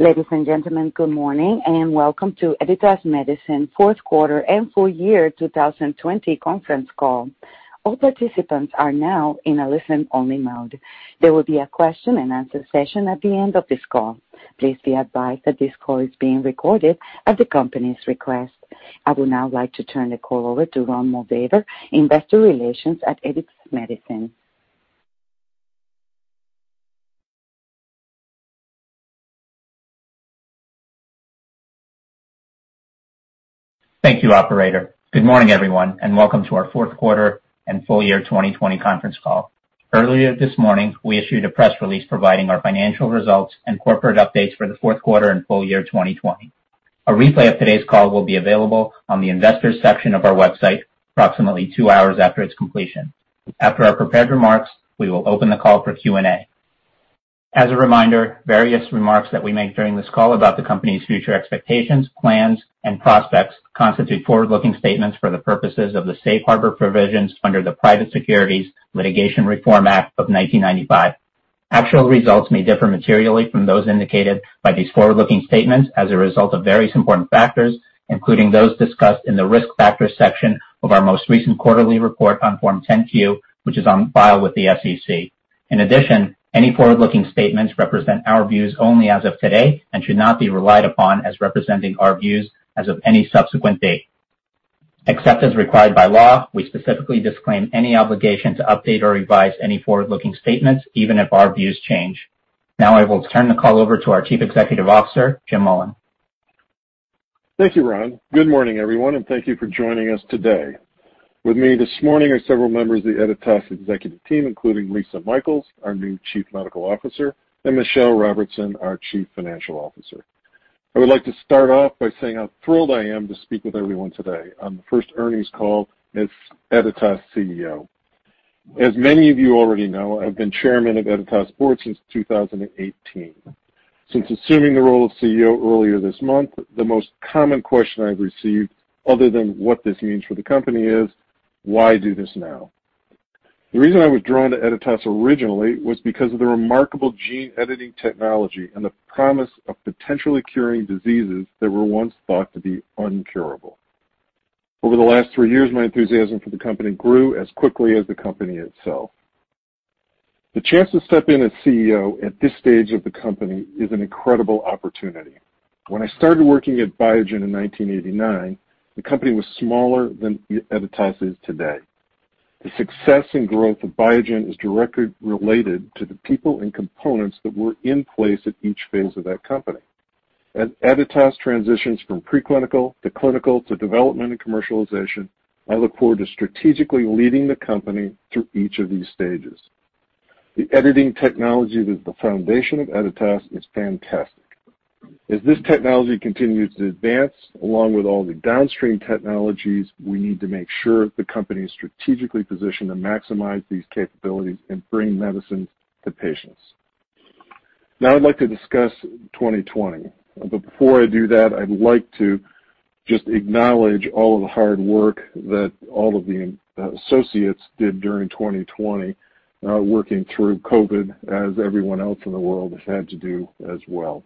Ladies and gentlemen, good morning, and welcome to Editas Medicine fourth quarter and full year 2020 conference call. All participants are now in a listen-only mode. There will be a question and answer session at the end of this call. Please be advised that this call is being recorded at the company's request. I would now like to turn the call over to Ron Moldaver, Investor Relations at Editas Medicine. Thank you, operator. Good morning, everyone, and welcome to our fourth quarter and full year 2020 conference call. Earlier this morning, we issued a press release providing our financial results and corporate updates for the fourth quarter and full year 2020. A replay of today's call will be available on the investors section of our website approximately two hours after its completion. After our prepared remarks, we will open the call for Q&A. As a reminder, various remarks that we make during this call about the company's future expectations, plans, and prospects constitute forward-looking statements for the purposes of the safe harbor provisions under the Private Securities Litigation Reform Act of 1995. Actual results may differ materially from those indicated by these forward-looking statements as a result of various important factors, including those discussed in the risk factors section of our most recent quarterly report on Form 10-Q, which is on file with the SEC. In addition, any forward-looking statements represent our views only as of today and should not be relied upon as representing our views as of any subsequent date. Except as required by law, we specifically disclaim any obligation to update or revise any forward-looking statements, even if our views change. Now I will turn the call over to our Chief Executive Officer, Jim Mullen. Thank you, Ron. Good morning, everyone. Thank you for joining us today. With me this morning are several members of the Editas executive team, including Lisa Michaels, our new Chief Medical Officer, and Michelle Robertson, our Chief Financial Officer. I would like to start off by saying how thrilled I am to speak with everyone today on the first earnings call as Editas CEO. As many of you already know, I've been Chairman of Editas Board since 2018. Since assuming the role of CEO earlier this month, the most common question I've received, other than what this means for the company, is why do this now? The reason I was drawn to Editas originally was because of the remarkable gene editing technology and the promise of potentially curing diseases that were once thought to be uncurable. Over the last three years, my enthusiasm for the company grew as quickly as the company itself. The chance to step in as CEO at this stage of the company is an incredible opportunity. When I started working at Biogen in 1989, the company was smaller than Editas is today. The success and growth of Biogen is directly related to the people and components that were in place at each phase of that company. As Editas transitions from pre-clinical to clinical to development and commercialization, I look forward to strategically leading the company through each of these stages. The editing technology that's the foundation of Editas is fantastic. As this technology continues to advance, along with all the downstream technologies, we need to make sure the company is strategically positioned to maximize these capabilities and bring medicines to patients. I'd like to discuss 2020. Before I do that, I'd like to just acknowledge all of the hard work that all of the associates did during 2020, working through COVID as everyone else in the world has had to do as well.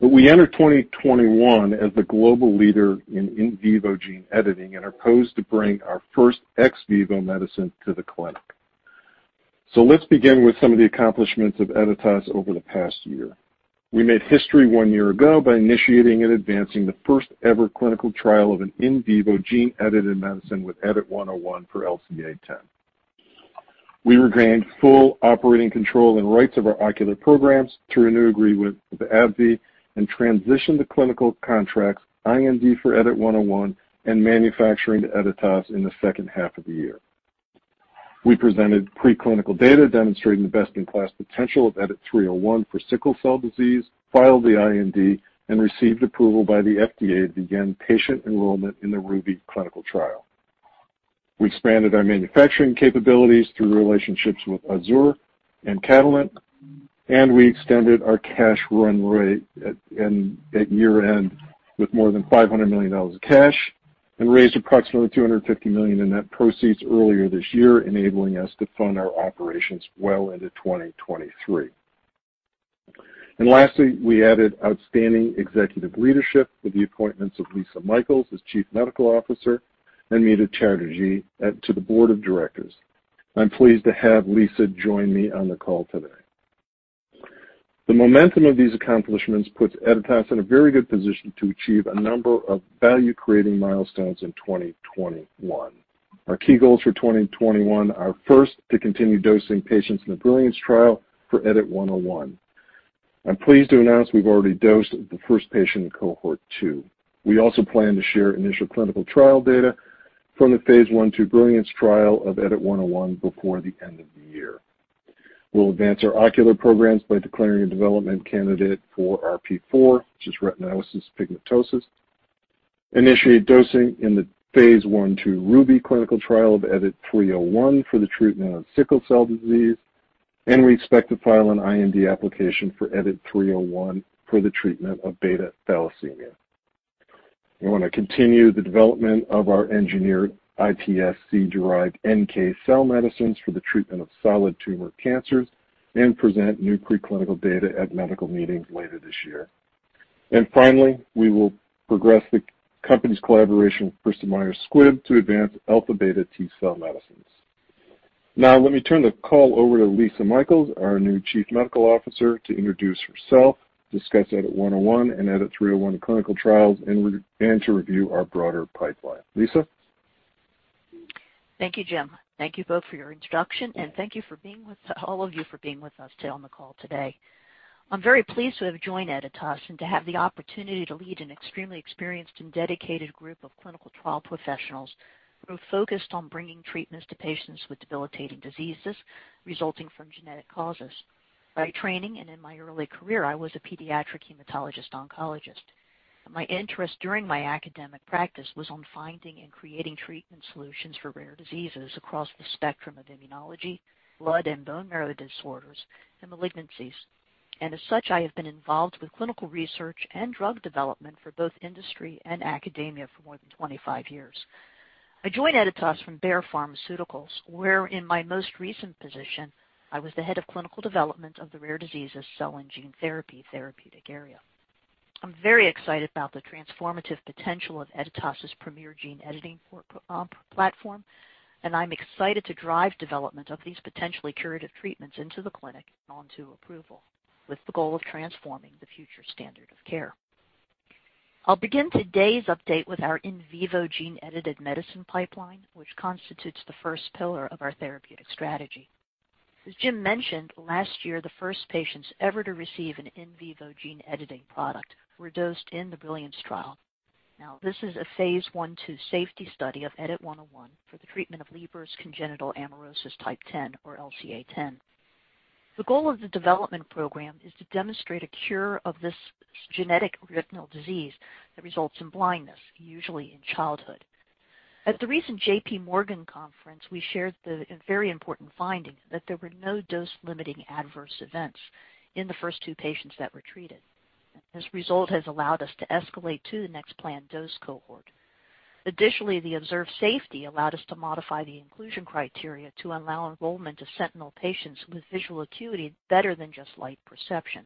We enter 2021 as the global leader in in vivo gene editing and are poised to bring our first ex vivo medicine to the clinic. Let's begin with some of the accomplishments of Editas over the past year. We made history one year ago by initiating and advancing the first-ever clinical trial of an in vivo gene-edited medicine with EDIT-101 for LCA10. We regained full operating control and rights of our ocular programs through a new agreement with AbbVie and transitioned to clinical contracts, IND for EDIT-101, and manufacturing to Editas in the second half of the year. We presented preclinical data demonstrating the best-in-class potential of EDIT-301 for Sickle Cell Disease, filed the IND, and received approval by the FDA to begin patient enrollment in the RUBY clinical trial. We expanded our manufacturing capabilities through relationships with Azzur and Catalent, we extended our cash run rate at year-end with more than $500 million of cash and raised approximately $250 million in net proceeds earlier this year, enabling us to fund our operations well into 2023. Lastly, we added outstanding executive leadership with the appointments of Lisa Michaels as Chief Medical Officer and Meeta Chatterjee to the board of directors. I'm pleased to have Lisa join me on the call today. The momentum of these accomplishments puts Editas in a very good position to achieve a number of value-creating milestones in 2021. Our key goals for 2021 are, first, to continue dosing patients in the BRILLIANCE trial for EDIT-101. I'm pleased to announce we've already dosed the first patient in cohort 2. We also plan to share initial clinical trial data from the phase I/II BRILLIANCE trial of EDIT-101 before the end of the year. We'll advance our ocular programs by declaring a development candidate for RP4, which is Retinitis Pigmentosa, initiate dosing in the phase I/II RUBY clinical trial of EDIT-301 for the treatment of Sickle Cell Disease, and we expect to file an IND application for EDIT-301 for the treatment of beta Thalassemia. We want to continue the development of our engineered iPSC-derived NK cell medicines for the treatment of solid tumor cancers and present new preclinical data at medical meetings later this year. Finally, we will progress the company's collaboration with Bristol Myers Squibb to advance alpha-beta T-cell medicines. Let me turn the call over to Lisa Michaels, our new Chief Medical Officer, to introduce herself, discuss EDIT-101 and EDIT-301 clinical trials, and to review our broader pipeline. Lisa? Thank you, Jim. Thank you both for your introduction. Thank you all of you for being with us today on the call today. I'm very pleased to have joined Editas and to have the opportunity to lead an extremely experienced and dedicated group of clinical trial professionals who are focused on bringing treatments to patients with debilitating diseases resulting from genetic causes. By training and in my early career, I was a pediatric hematologist oncologist. My interest during my academic practice was on finding and creating treatment solutions for rare diseases across the spectrum of immunology, blood and bone marrow disorders, and malignancies. As such, I have been involved with clinical research and drug development for both industry and academia for more than 25 years. I join Editas from Bayer Pharmaceuticals, where in my most recent position, I was the Head of Clinical Development of the Rare Diseases Cell and Gene Therapy therapeutic area. I'm very excited about the transformative potential of Editas' premier gene editing platform, I'm excited to drive development of these potentially curative treatments into the clinic and on to approval, with the goal of transforming the future standard of care. I'll begin today's update with our in vivo gene-edited medicine pipeline, which constitutes the first pillar of our therapeutic strategy. As Jim mentioned, last year the first patients ever to receive an in vivo gene-editing product were dosed in the BRILLIANCE trial. This is a phase I/II safety study of EDIT-101 for the treatment of Leber Congenital Amaurosis Type 10, or LCA10. The goal of the development program is to demonstrate a cure of this genetic retinal disease that results in blindness, usually in childhood. At the recent J.P. Morgan conference, we shared the very important finding that there were no dose-limiting adverse events in the first two patients that were treated. This result has allowed us to escalate to the next planned dose cohort. The observed safety allowed us to modify the inclusion criteria to allow enrollment of sentinel patients with visual acuity better than just light perception.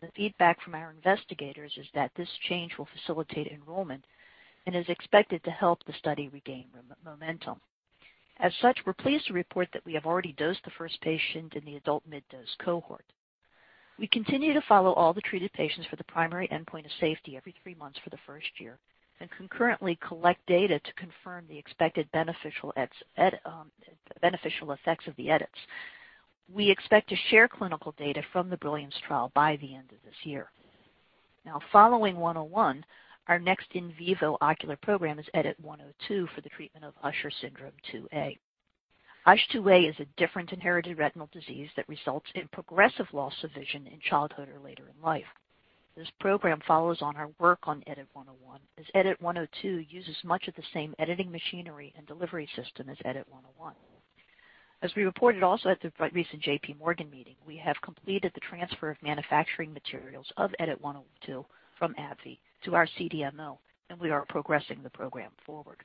The feedback from our investigators is that this change will facilitate enrollment and is expected to help the study regain momentum. We're pleased to report that we have already dosed the first patient in the adult mid-dose cohort. We continue to follow all the treated patients for the primary endpoint of safety every three months for the first year, and concurrently collect data to confirm the expected beneficial effects of the edits. We expect to share clinical data from the BRILLIANCE trial by the end of this year. Following EDIT-101, our next in vivo ocular program is EDIT-102 for the treatment of Usher Syndrome 2A. USH2A is a different Inherited Retinal Disease that results in progressive loss of vision in childhood or later in life. This program follows on our work on EDIT-101, as EDIT-102 uses much of the same editing machinery and delivery system as EDIT-101. As we reported also at the recent J.P. Morgan meeting, we have completed the transfer of manufacturing materials of EDIT-102 from AbbVie to our CDMO, and we are progressing the program forward.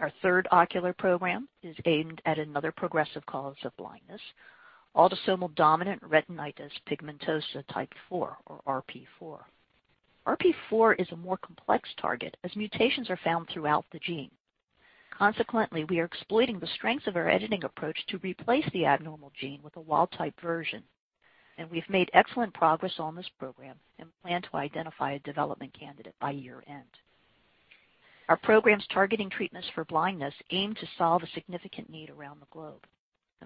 Our third ocular program is aimed at another progressive cause of blindness, Autosomal Dominant Retinitis Pigmentosa Type 4, or RP4. RP4 is a more complex target, as mutations are found throughout the gene. We are exploiting the strengths of our editing approach to replace the abnormal gene with a wild-type version, and we've made excellent progress on this program and plan to identify a development candidate by year-end. Our programs targeting treatments for blindness aim to solve a significant need around the globe.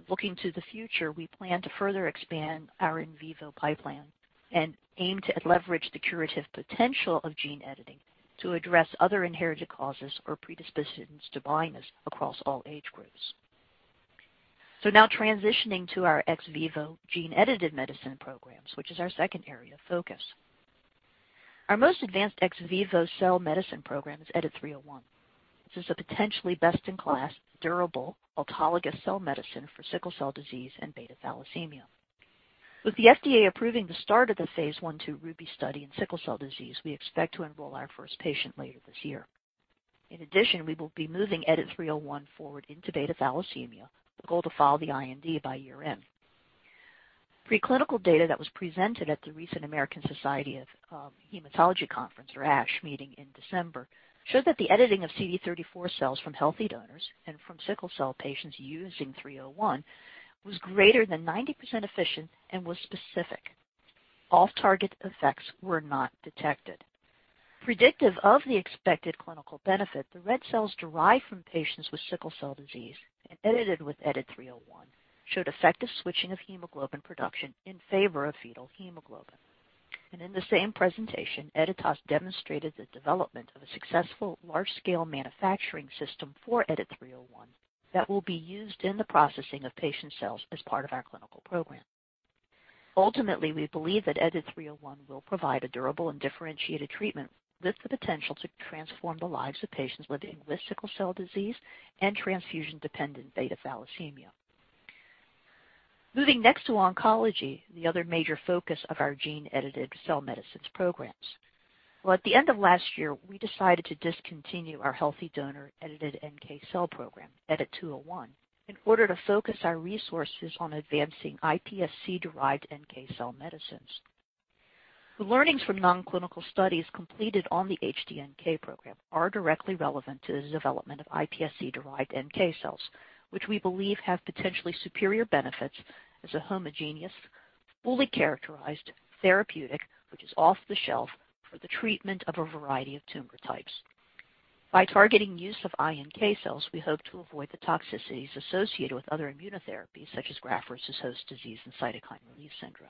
Looking to the future, we plan to further expand our in vivo pipeline and aim to leverage the curative potential of gene editing to address other inherited causes or predispositions to blindness across all age groups. Now transitioning to our ex vivo gene-edited medicine programs, which is our second area of focus. Our most advanced ex vivo cell medicine program is EDIT-301. This is a potentially best-in-class durable autologous cell medicine for Sickle Cell Disease and Beta Thalassemia. With the FDA approving the start of the phase I/II RUBY study in Sickle Cell Disease, we expect to enroll our first patient later this year. In addition, we will be moving EDIT-301 forward into beta thalassemia, with a goal to file the IND by year-end. Preclinical data that was presented at the recent American Society of Hematology conference, or ASH Meeting, in December, showed that the editing of CD34 cells from healthy donors and from sickle cell patients using 301 was greater than 90% efficient and was specific. Off-target effects were not detected. Predictive of the expected clinical benefit, the red cells derived from patients with Sickle Cell Disease and edited with EDIT-301 showed effective switching of hemoglobin production in favor of Fetal Hemoglobin. In the same presentation, Editas demonstrated the development of a successful large-scale manufacturing system for EDIT-301 that will be used in the processing of patient cells as part of our clinical program. Ultimately, we believe that EDIT-301 will provide a durable and differentiated treatment with the potential to transform the lives of patients living with Sickle Cell Disease and transfusion-dependent Beta Thalassemia. Moving next to oncology, the other major focus of our gene-edited cell medicines programs. At the end of last year, we decided to discontinue our healthy donor-edited NK cell program, EDIT-201, in order to focus our resources on advancing iPSC-derived NK cell medicines. The learnings from non-clinical studies completed on the HD-NK program are directly relevant to the development of iPSC-derived NK cells, which we believe have potentially superior benefits as a homogeneous, fully characterized therapeutic, which is off-the-shelf for the treatment of a variety of tumor types. By targeting use of iNK cells, we hope to avoid the toxicities associated with other immunotherapies, such as Graft-versus-Host Disease and Cytokine Release Syndrome.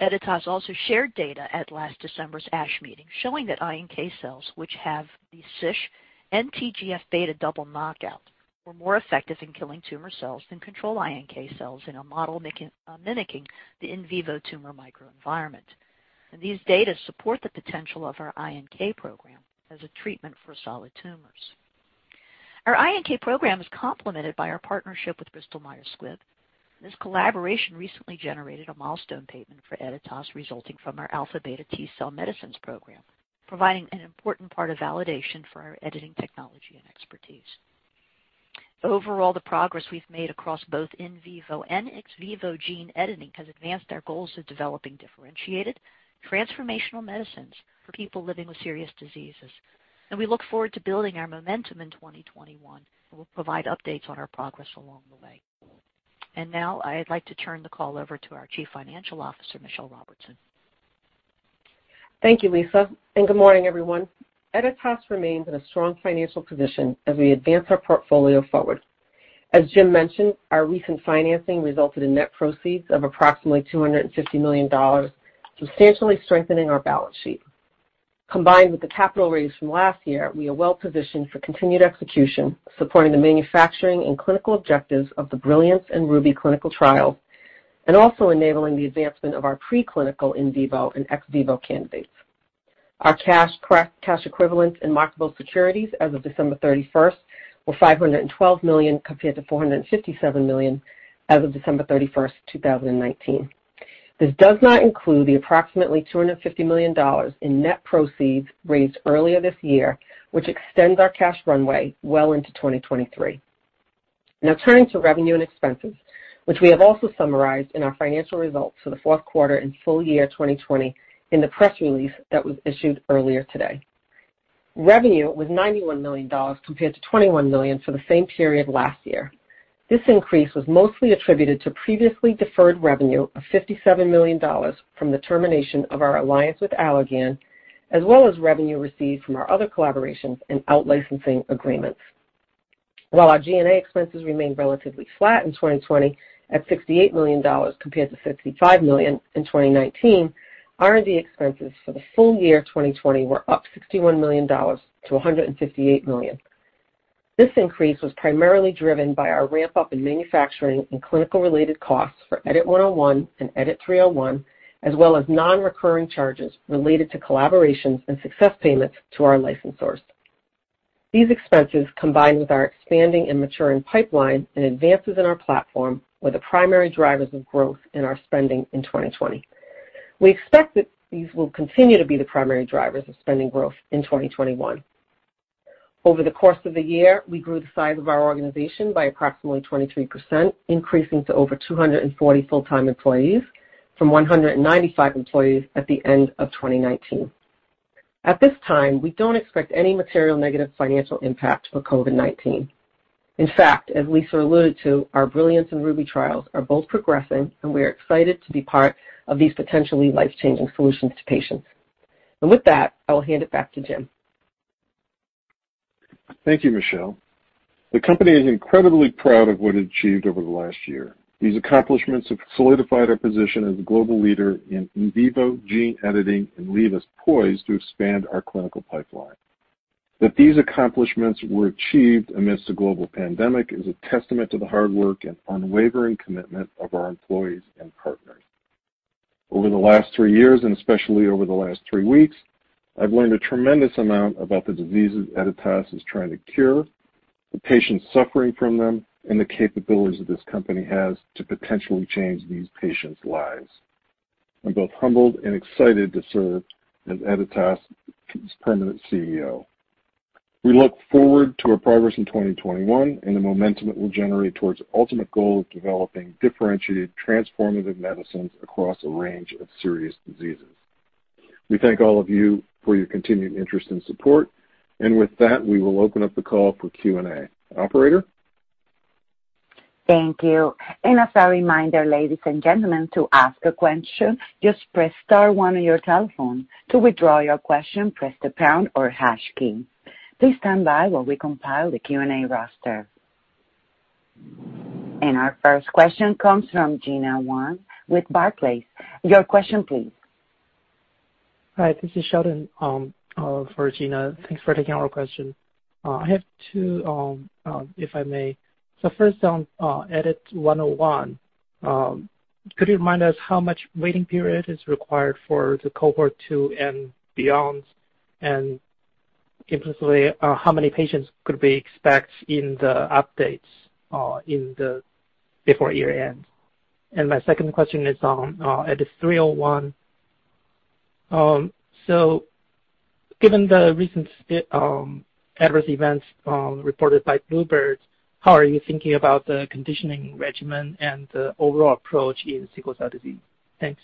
Editas also shared data at last December's ASH meeting showing that iNK cells, which have the CISH and TGF-β double knockout, were more effective in killing tumor cells than control iNK cells in a model mimicking the in vivo tumor microenvironment. These data support the potential of our iNK program as a treatment for solid tumors. Our iNK program is complemented by our partnership with Bristol Myers Squibb. This collaboration recently generated a milestone payment for Editas resulting from our alpha/beta T-cell medicines program, providing an important part of validation for our editing technology and expertise. Overall, the progress we've made across both in vivo and ex vivo gene editing has advanced our goals of developing differentiated, transformational medicines for people living with serious diseases. We look forward to building our momentum in 2021, and we'll provide updates on our progress along the way. Now I'd like to turn the call over to our Chief Financial Officer, Michelle Robertson. Thank you, Lisa, and good morning, everyone. Editas Medicine remains in a strong financial position as we advance our portfolio forward. As Jim mentioned, our recent financing resulted in net proceeds of approximately $250 million, substantially strengthening our balance sheet. Combined with the capital raise from last year, we are well positioned for continued execution, supporting the manufacturing and clinical objectives of the BRILLIANCE and RUBY clinical trials, and also enabling the advancement of our preclinical in vivo and ex vivo candidates. Our cash equivalents and marketable securities as of December 31st were $512 million, compared to $457 million as of December 31st, 2019. This does not include the approximately $250 million in net proceeds raised earlier this year, which extends our cash runway well into 2023. Now turning to revenue and expenses, which we have also summarized in our financial results for the fourth quarter and full year 2020 in the press release that was issued earlier today. Revenue was $91 million compared to $21 million for the same period last year. This increase was mostly attributed to previously deferred revenue of $57 million from the termination of our alliance with Allergan, as well as revenue received from our other collaborations and out-licensing agreements. While our G&A expenses remained relatively flat in 2020 at $68 million compared to $55 million in 2019, R&D expenses for the full year 2020 were up $61 million-$158 million. This increase was primarily driven by our ramp-up in manufacturing and clinical-related costs for EDIT-101 and EDIT-301, as well as non-recurring charges related to collaborations and success payments to our licensors. These expenses, combined with our expanding and maturing pipeline and advances in our platform, were the primary drivers of growth in our spending in 2020. We expect that these will continue to be the primary drivers of spending growth in 2021. Over the course of the year, we grew the size of our organization by approximately 23%, increasing to over 240 full-time employees from 195 employees at the end of 2019. At this time, we don't expect any material negative financial impact for COVID-19. In fact, as Lisa alluded to, our BRILLIANCE and RUBY trials are both progressing, and we are excited to be part of these potentially life-changing solutions to patients. With that, I will hand it back to Jim. Thank you, Michelle. The company is incredibly proud of what it achieved over the last year. These accomplishments have solidified our position as a global leader in in vivo gene editing and leave us poised to expand our clinical pipeline. That these accomplishments were achieved amidst a global pandemic is a testament to the hard work and unwavering commitment of our employees and partners. Over the last three years, and especially over the last three weeks, I've learned a tremendous amount about the diseases Editas is trying to cure, the patients suffering from them, and the capabilities that this company has to potentially change these patients' lives. I'm both humbled and excited to serve as Editas' permanent CEO. We look forward to our progress in 2021 and the momentum it will generate towards the ultimate goal of developing differentiated, transformative medicines across a range of serious diseases. We thank all of you for your continued interest and support. With that, we will open up the call for Q&A. Operator? Thank you. Our first question comes from Gena Wang with Barclays. Your question, please. Hi, this is Sheldon for Gena. Thanks for taking our question. I have two, if I may. First on EDIT-101, could you remind us how much waiting period is required for the cohort 2 and beyond, and implicitly, how many patients could we expect in the updates before year-end? My second question is on EDIT-301. Given the recent adverse events reported by bluebird bio, how are you thinking about the conditioning regimen and the overall approach in Sickle Cell Disease? Thanks.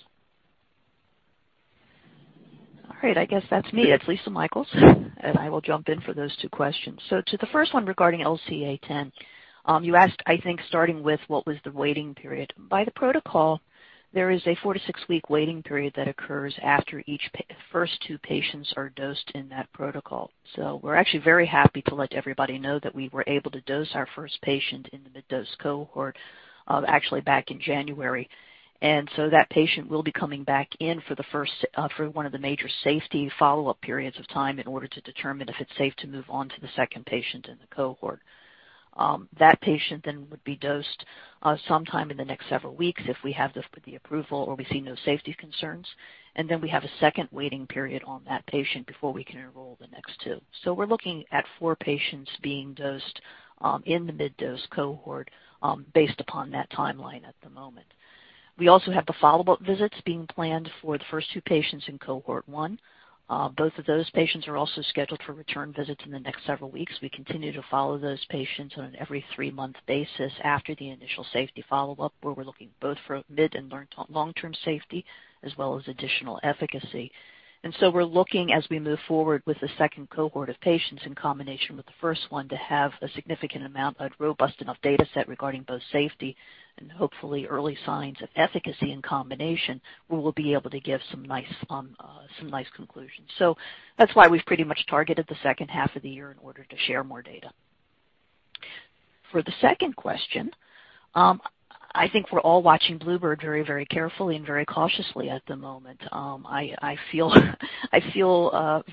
All right. I guess that's me. It's Lisa Michaels, and I will jump in for those two questions. To the first one regarding LCA10, you asked, I think, starting with what was the waiting period. By the protocol, there is a four to six week waiting period that occurs after each first two patients are dosed in that protocol. That patient will be coming back in for one of the major safety follow-up periods of time in order to determine if it's safe to move on to the second patient in the cohort. That patient then would be dosed sometime in the next several weeks if we have the approval or we see no safety concerns. We have a second waiting period on that patient before we can enroll the next two. We are looking at four patients being dosed in the mid-dose cohort based upon that timeline at the moment. We also have the follow-up visits being planned for the first two patients in cohort 1. Both of those patients are also scheduled for return visits in the next several weeks. We continue to follow those patients on an every three-month basis after the initial safety follow-up, where we are looking both for mid and long-term safety as well as additional efficacy. We are looking as we move forward with the second cohort of patients in combination with the first one to have a significant amount, a robust enough data set regarding both safety and hopefully early signs of efficacy in combination, where we will be able to give some nice conclusions. That's why we've pretty much targeted the second half of the year in order to share more data. For the second question, I think we're all watching bluebird very carefully and very cautiously at the moment. I feel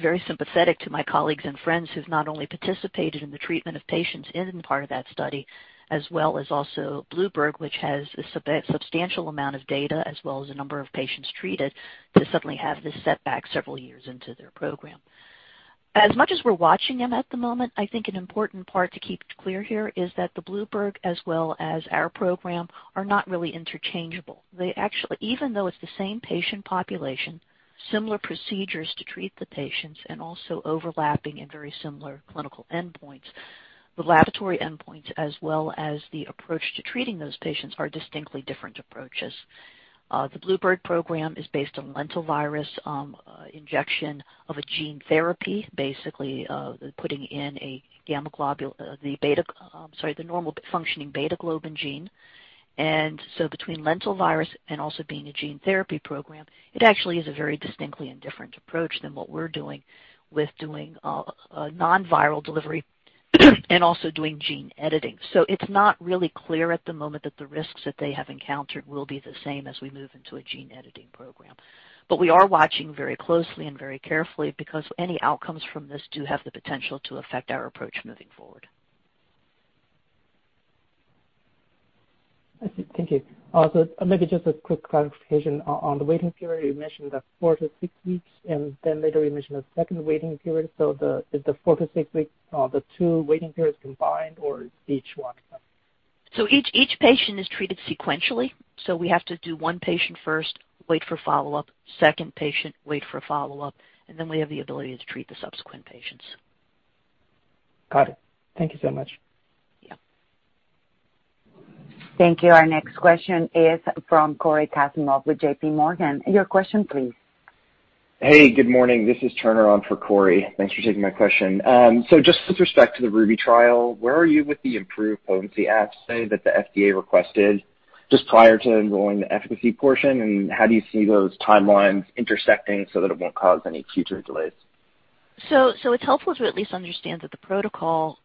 very sympathetic to my colleagues and friends who've not only participated in the treatment of patients in part of that study, as well as also bluebird, which has a substantial amount of data as well as a number of patients treated, to suddenly have this setback several years into their program. As much as we're watching them at the moment, I think an important part to keep clear here is that the bluebird as well as our program are not really interchangeable. Even though it's the same patient population, similar procedures to treat the patients, and also overlapping and very similar clinical endpoints, the laboratory endpoints as well as the approach to treating those patients are distinctly different approaches. The bluebird program is based on lentivirus, injection of a gene therapy, basically, putting in the normal functioning beta-globin gene. Between lentivirus and also being a gene therapy program, it actually is a very distinctly and different approach than what we're doing with doing a non-viral delivery and also doing gene editing. It's not really clear at the moment that the risks that they have encountered will be the same as we move into a gene editing program. We are watching very closely and very carefully because any outcomes from this do have the potential to affect our approach moving forward. Thank you. Maybe just a quick clarification on the waiting period. You mentioned the four to six weeks, and then later you mentioned a second waiting period. Is the four to six weeks the two waiting periods combined, or each one? Each patient is treated sequentially. We have to do one patient first, wait for follow-up, second patient, wait for follow-up, and then we have the ability to treat the subsequent patients. Got it. Thank you so much. Yeah. Thank you. Our next question is from Cory Kasimov with J.P. Morgan. Your question, please. Hey, good morning. This is Turner on for Cory. Thanks for taking my question. Just with respect to the RUBY trial, where are you with the improved potency assay that the FDA requested just prior to enrolling the efficacy portion, and how do you see those timelines intersecting so that it won't cause any future delays? It's helpful to at least understand that the protocol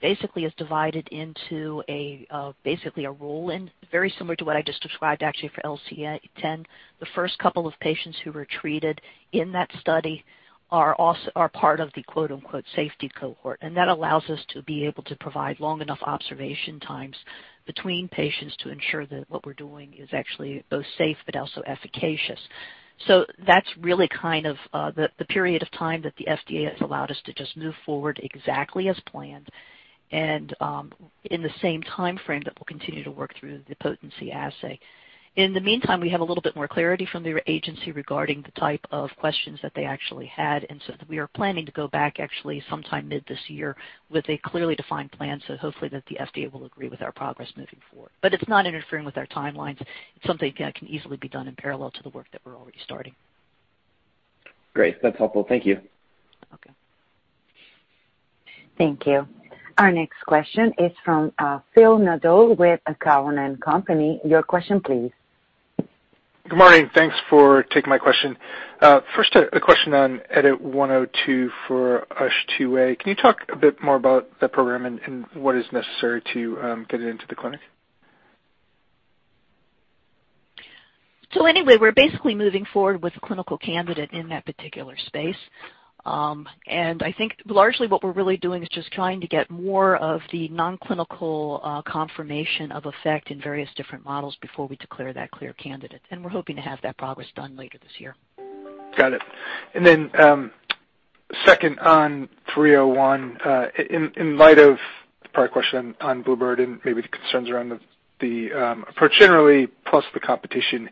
basically is divided into basically a rule and very similar to what I just described actually for LCA10. The first couple of patients who were treated in that study are part of the "safety cohort," and that allows us to be able to provide long enough observation times between patients to ensure that what we're doing is actually both safe but also efficacious. That's really kind of the period of time that the FDA has allowed us to just move forward exactly as planned and in the same timeframe that we'll continue to work through the potency assay. In the meantime, we have a little bit more clarity from their agency regarding the type of questions that they actually had, and so we are planning to go back actually sometime mid this year with a clearly defined plan so hopefully that the FDA will agree with our progress moving forward. It's not interfering with our timelines. It's something that can easily be done in parallel to the work that we're already starting. Great. That's helpful. Thank you. Okay. Thank you. Our next question is from Phil Nadeau with Cowen and Company. Your question, please. Good morning. Thanks for taking my question. First, a question on EDIT-102 for USH2A. Can you talk a bit more about the program and what is necessary to get it into the clinic? Anyway, we're basically moving forward with a clinical candidate in that particular space. I think largely what we're really doing is just trying to get more of the non-clinical confirmation of effect in various different models before we declare that clear candidate. We're hoping to have that progress done later this year. Got it. Second, on 301, in light of the prior question on bluebird and maybe the concerns around the approach generally, plus the competition,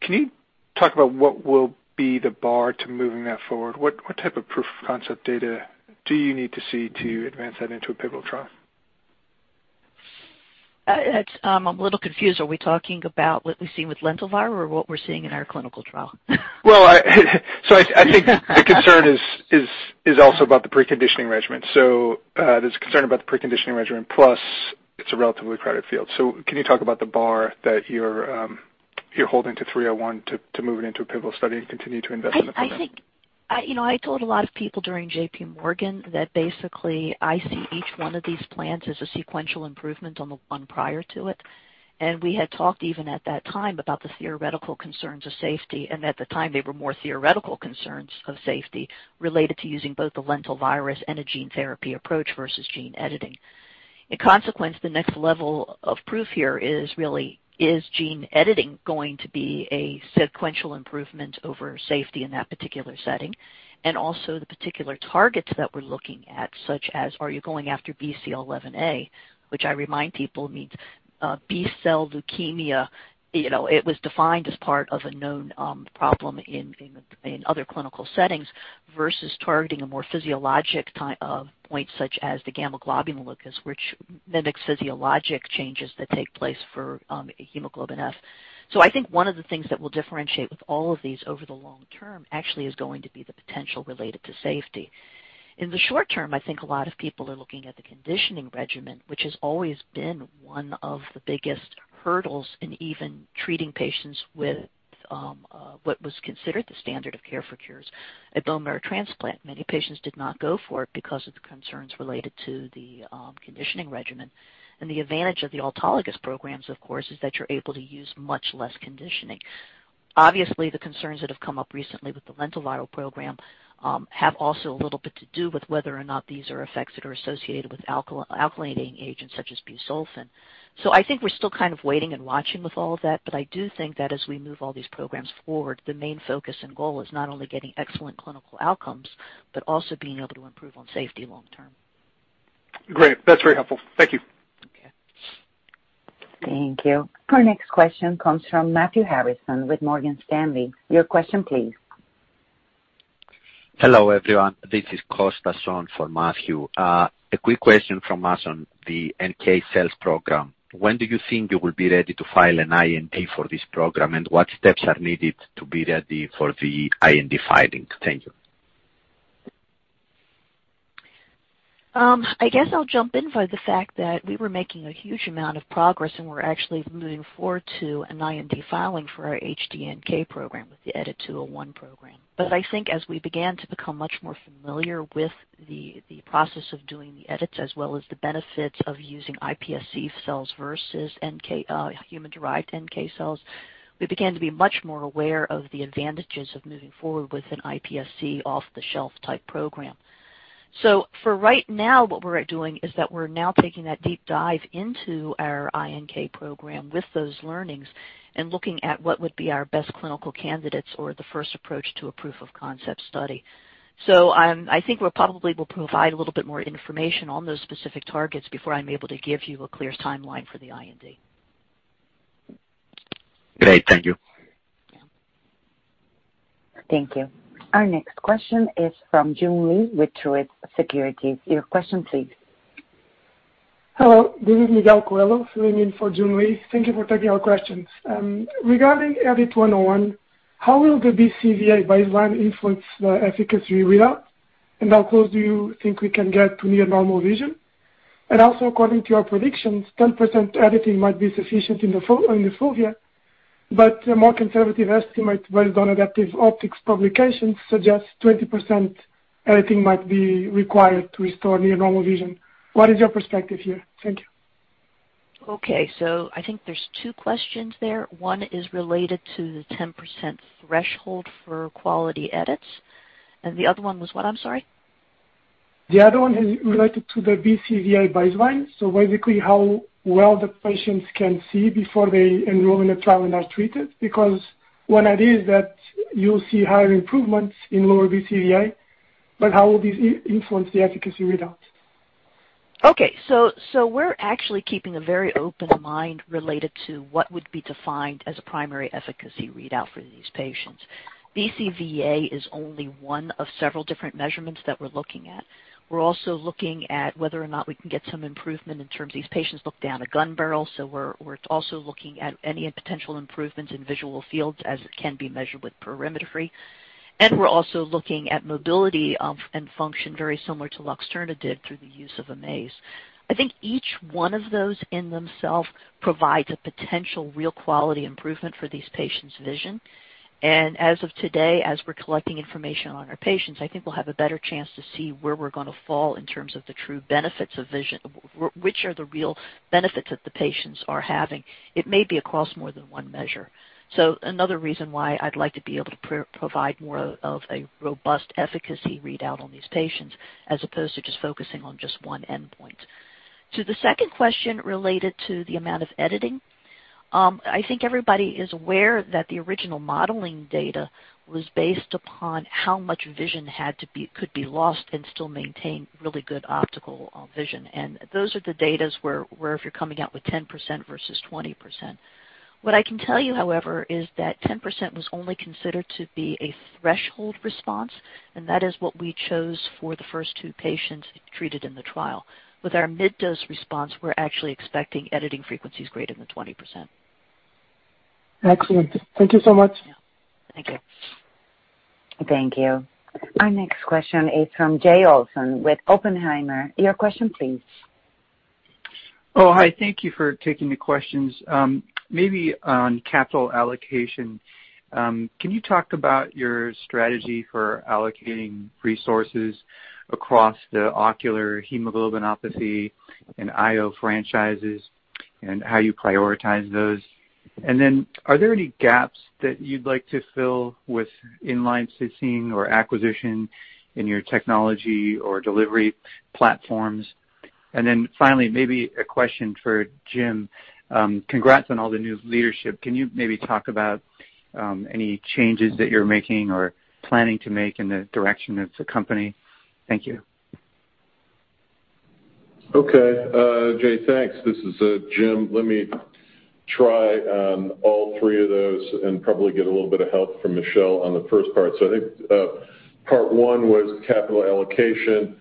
can you talk about what will be the bar to moving that forward? What type of proof concept data do you need to see to advance that into a pivotal trial? I'm a little confused. Are we talking about what we see with lentivirus or what we're seeing in our clinical trial? I think the concern is also about the preconditioning regimen. There's a concern about the preconditioning regimen, plus it's a relatively crowded field. Can you talk about the bar that you're holding to 301 to move it into a pivotal study and continue to invest in the program? I told a lot of people during J.P. Morgan that basically I see each one of these plans as a sequential improvement on the one prior to it. We had talked even at that time about the theoretical concerns of safety. At the time, they were more theoretical concerns of safety related to using both the lentivirus and a gene therapy approach versus gene editing. In consequence, the next level of proof here is really, is gene editing going to be a sequential improvement over safety in that particular setting? Also the particular targets that we're looking at, such as are you going after BCL11A, which I remind people means B cell leukemia. It was defined as part of a known problem in other clinical settings versus targeting a more physiologic point, such as the gamma-globin locus, which mimics physiologic changes that take place for Hemoglobin F. I think one of the things that we'll differentiate with all of these over the long term actually is going to be the potential related to safety. In the short term, I think a lot of people are looking at the conditioning regimen, which has always been one of the biggest hurdles in even treating patients with what was considered the standard of care for cures, a bone marrow transplant. Many patients did not go for it because of the concerns related to the conditioning regimen. The advantage of the autologous programs, of course, is that you're able to use much less conditioning. The concerns that have come up recently with the lentiviral program have also a little bit to do with whether or not these are effects that are associated with alkylating agents such as busulfan. I think we're still kind of waiting and watching with all of that, but I do think that as we move all these programs forward, the main focus and goal is not only getting excellent clinical outcomes, but also being able to improve on safety long term. Great. That's very helpful. Thank you. Okay. Thank you. Our next question comes from Matthew Harrison with Morgan Stanley. Your question please. Hello, everyone. This is Costa Sean for Matthew. A quick question from us on the NK cells program. When do you think you will be ready to file an IND for this program, and what steps are needed to be ready for the IND filing? Thank you. I guess I'll jump in for the fact that we were making a huge amount of progress, and we're actually moving forward to an IND filing for our HD-NK program with the EDIT-201 program. I think as we began to become much more familiar with the process of doing the edits as well as the benefits of using iPSC cells versus human-derived NK cells, we began to be much more aware of the advantages of moving forward with an iPSC off-the-shelf type program. For right now, what we're doing is that we're now taking that deep dive into our iNK program with those learnings and looking at what would be our best clinical candidates or the first approach to a proof of concept study. I think we probably will provide a little bit more information on those specific targets before I'm able to give you a clear timeline for the IND. Great. Thank you. Yeah. Thank you. Our next question is from Joon Lee with Truist Securities. Your question, please. Hello, this is Miguel Coelho filling in for Joon Lee. Thank you for taking our questions. Regarding EDIT-101, how will the BCVA baseline influence the efficacy readout? How close do you think we can get to near normal vision? Also, according to your predictions, 10% editing might be sufficient in the fovea, but a more conservative estimate based on adaptive optics publications suggests 20% editing might be required to restore near normal vision. What is your perspective here? Thank you. Okay. I think there's two questions there. One is related to the 10% threshold for quality edits, and the other one was what? I'm sorry. The other one is related to the BCVA baseline. Basically how well the patients can see before they enroll in a trial and are treated. One idea is that you'll see higher improvements in lower BCVA, but how will this influence the efficacy readout? Okay. We're actually keeping a very open mind related to what would be defined as a primary efficacy readout for these patients. BCVA is only one of several different measurements that we're looking at. We're also looking at whether or not we can get some improvement in terms of these patients look down a gun barrel. We're also looking at any potential improvements in visual fields as it can be measured with perimetry. We're also looking at mobility and function very similar to LUXTURNA did through the use of a maze. I think each one of those in themselves provides a potential real quality improvement for these patients' vision. As of today, as we're collecting information on our patients, I think we'll have a better chance to see where we're going to fall in terms of the true benefits of vision, which are the real benefits that the patients are having. It may be across more than one measure. Another reason why I'd like to be able to provide more of a robust efficacy readout on these patients as opposed to just focusing on just one endpoint. To the second question related to the amount of editing, I think everybody is aware that the original modeling data was based upon how much vision could be lost and still maintain really good optical vision. Those are the datas where if you're coming out with 10% versus 20%. What I can tell you, however, is that 10% was only considered to be a threshold response, and that is what we chose for the first two patients treated in the trial. With our mid-dose response, we're actually expecting editing frequencies greater than 20%. Excellent. Thank you so much. Thank you. Thank you. Our next question is from Jay Olson with Oppenheimer. Your question please. Oh, hi. Thank you for taking the questions. Maybe on capital allocation. Can you talk about your strategy for allocating resources across the ocular hemoglobinopathy and IO franchises, and how you prioritize those? Are there any gaps that you'd like to fill with in-licensing or acquisition in your technology or delivery platforms? Finally, maybe a question for Jim. Congrats on all the new leadership. Can you maybe talk about any changes that you're making or planning to make in the direction of the company? Thank you. Okay. Jay, thanks. This is Jim. Let me try on all three of those and probably get a little bit of help from Michelle on the first part. I think part one was capital allocation.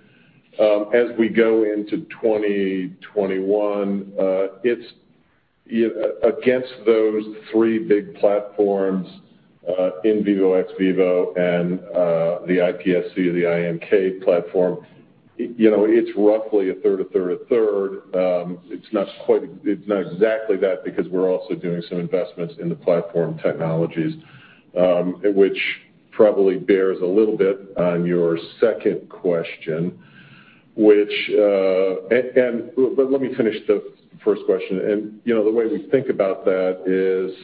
As we go into 2021, it's against those three big platforms, in vivo, ex vivo, and the iPSC, the iNK platform. It's roughly a third, a third, a third. It's not exactly that because we're also doing some investments in the platform technologies, which probably bears a little bit on your second question. Let me finish the first question, and the way we think about that is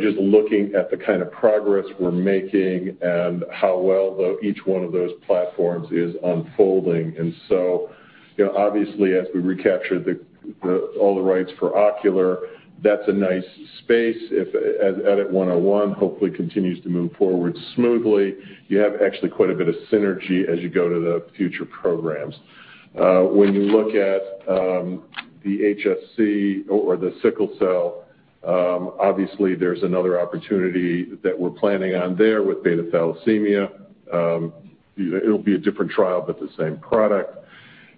just looking at the kind of progress we're making and how well each one of those platforms is unfolding. Obviously, as we recapture all the rights for ocular, that's a nice space. If EDIT-101 hopefully continues to move forward smoothly, you have actually quite a bit of synergy as you go to the future programs. When you look at the HSC or the sickle cell, obviously there's another opportunity that we're planning on there with beta thalassemia. It'll be a different trial, but the same product.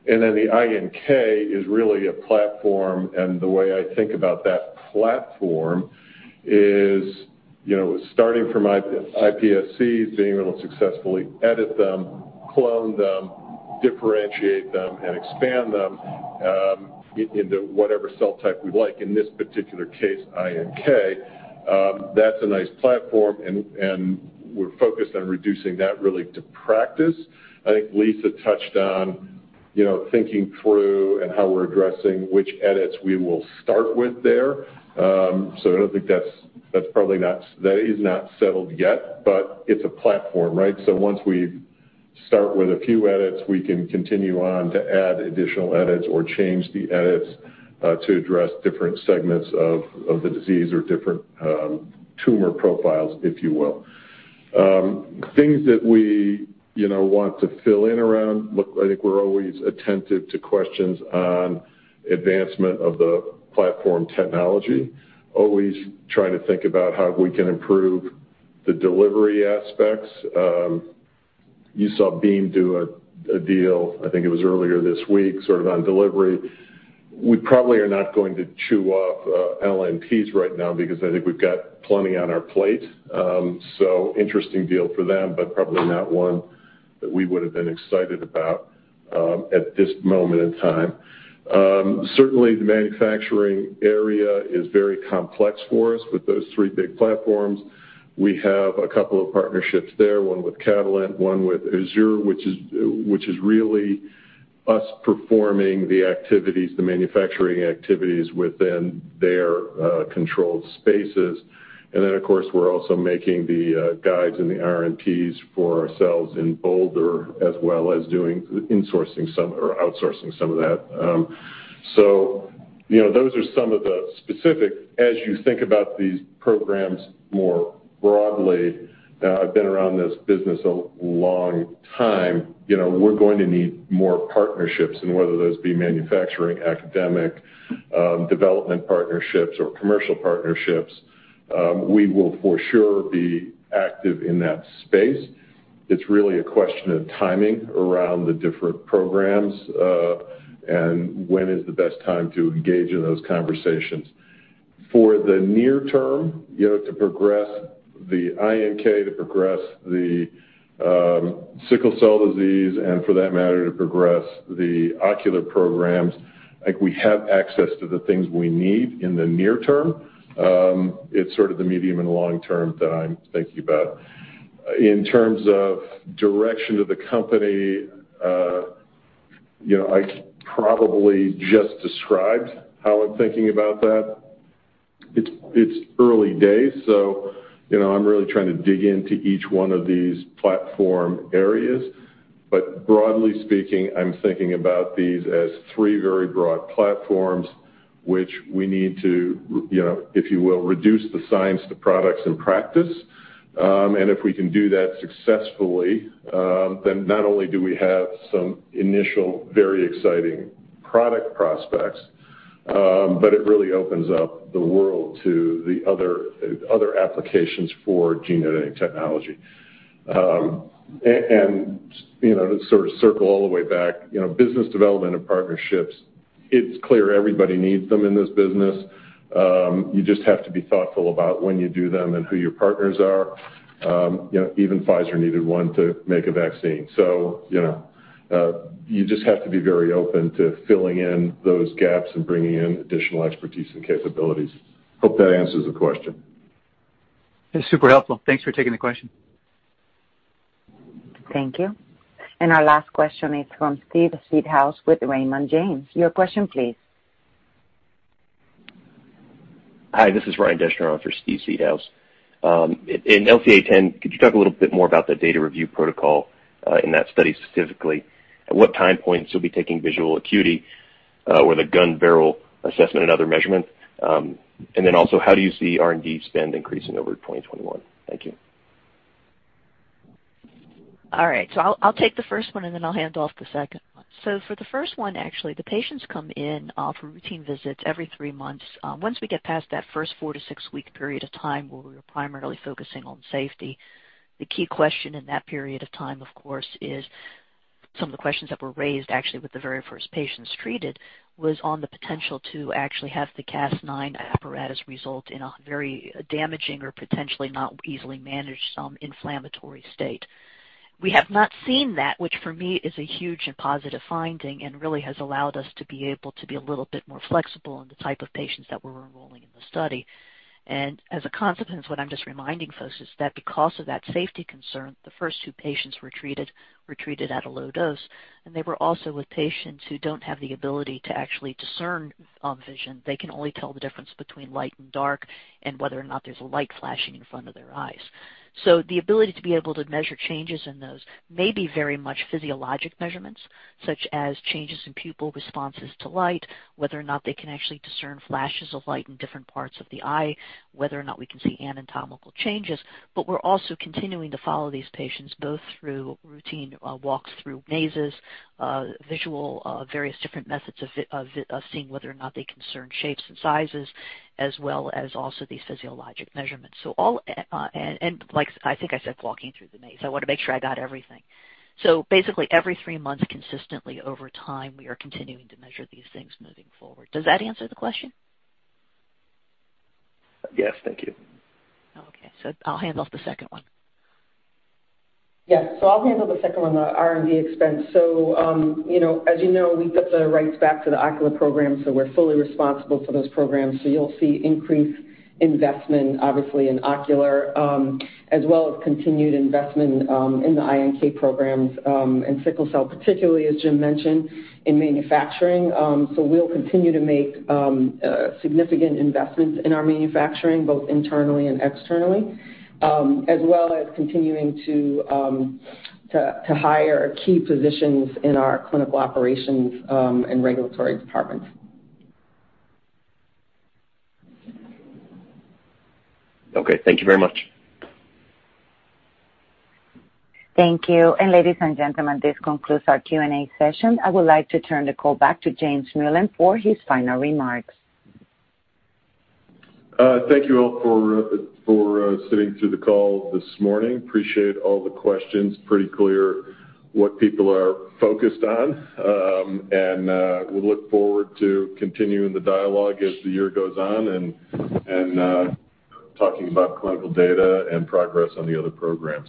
The iNK is really a platform, the way I think about that platform is starting from iPSCs, being able to successfully edit them, clone them, differentiate them, and expand them into whatever cell type we'd like. In this particular case, iNK, that's a nice platform, we're focused on reducing that really to practice. I think Lisa touched on thinking through and how we're addressing which edits we will start with there. That is not settled yet, it's a platform, right? Once we start with a few edits, we can continue on to add additional edits or change the edits to address different segments of the disease or different tumor profiles, if you will. Things that we want to fill in around, look, I think we're always attentive to questions on advancement of the platform technology. Always trying to think about how we can improve the delivery aspects. You saw Beam do a deal, I think it was earlier this week, sort of on delivery. We probably are not going to chew off LNPs right now because I think we've got plenty on our plate. Interesting deal for them, but probably not one that we would've been excited about at this moment in time. Certainly, the manufacturing area is very complex for us with those three big platforms. We have a couple of partnerships there, one with Catalent, one with Azzur, which is really us performing the activities, the manufacturing activities within their controlled spaces. Of course, we're also making the guides and the RNPs for ourselves in Boulder, as well as doing insourcing some or outsourcing some of that. Those are some of the specific, as you think about these programs more broadly. I've been around this business a long time. We're going to need more partnerships and whether those be manufacturing, academic, development partnerships or commercial partnerships, we will for sure be active in that space. It's really a question of timing around the different programs, and when is the best time to engage in those conversations. For the near term, to progress the iNK, to progress the Sickle Cell Disease, and for that matter, to progress the ocular programs, I think we have access to the things we need in the near term. It's sort of the medium and long term that I'm thinking about. In terms of direction of the company, I probably just described how I'm thinking about that. It's early days, so I'm really trying to dig into each one of these platform areas. Broadly speaking, I'm thinking about these as three very broad platforms which we need to, if you will, reduce the science to products and practice. If we can do that successfully, then not only do we have some initial, very exciting product prospects, but it really opens up the world to the other applications for gene editing technology. To sort of circle all the way back, business development and partnerships, it is clear everybody needs them in this business. You just have to be thoughtful about when you do them and who your partners are. Even Pfizer needed one to make a vaccine. You just have to be very open to filling in those gaps and bringing in additional expertise and capabilities. Hope that answers the question. It's super helpful. Thanks for taking the question. Thank you. Our last question is from Steve Seedhouse with Raymond James. Your question, please. Hi, this is Ryan Deschner for Steve Seedhouse. In LCA10, could you talk a little bit more about the data review protocol in that study specifically? At what time points you'll be taking visual acuity with a gun barrel assessment and other measurements? How do you see R&D spend increasing over 2021? Thank you. All right. I'll take the first one, and then I'll hand off the second one. For the first one, actually, the patients come in for routine visits every three months. Once we get past that first four to six-week period of time where we were primarily focusing on safety, the key question in that period of time, of course, is some of the questions that were raised actually with the very first patients treated was on the potential to actually have the Cas9 apparatus result in a very damaging or potentially not easily managed some inflammatory state. We have not seen that, which for me is a huge and positive finding and really has allowed us to be able to be a little bit more flexible in the type of patients that we're enrolling in the study. As a consequence, what I'm just reminding folks is that because of that safety concern, the first two patients were treated at a low dose, and they were also with patients who don't have the ability to actually discern vision. They can only tell the difference between light and dark and whether or not there's a light flashing in front of their eyes. The ability to be able to measure changes in those may be very much physiologic measurements, such as changes in pupil responses to light, whether or not they can actually discern flashes of light in different parts of the eye, whether or not we can see anatomical changes. We're also continuing to follow these patients, both through routine walks through mazes, visual various different methods of seeing whether or not they discern shapes and sizes, as well as also these physiologic measurements. I think I said walking through the maze. I want to make sure I got everything. Basically, every three months consistently over time, we are continuing to measure these things moving forward. Does that answer the question? Yes. Thank you. Okay. I'll hand off the second one. Yes. I'll handle the second one, the R&D expense. As you know, we got the rights back to the ocular program, so we're fully responsible for those programs. You'll see increased investment, obviously in ocular, as well as continued investment in the iNK programs, and sickle cell, particularly, as Jim mentioned, in manufacturing. We'll continue to make significant investments in our manufacturing, both internally and externally, as well as continuing to hire key positions in our clinical operations and regulatory departments. Okay. Thank you very much. Thank you. Ladies and gentlemen, this concludes our Q&A session. I would like to turn the call back to James Mullen for his final remarks. Thank you all for sitting through the call this morning. Appreciate all the questions. Pretty clear what people are focused on. We look forward to continuing the dialogue as the year goes on and talking about clinical data and progress on the other programs.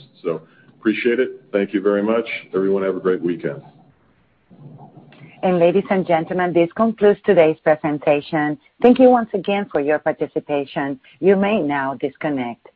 Appreciate it. Thank you very much. Everyone have a great weekend. Ladies and gentlemen, this concludes today's presentation. Thank you once again for your participation. You may now disconnect.